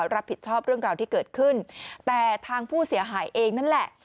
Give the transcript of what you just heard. รับผิดชอบเรื่องราวที่เกิดขึ้นแต่ทางผู้เสียหายเองนั่นแหละ